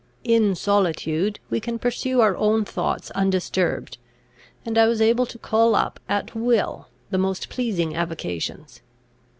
In solitude we can pursue our own thoughts undisturbed; and I was able to call up at will the most pleasing avocations.